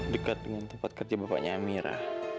dekat dengan tempat kerja bapaknya mira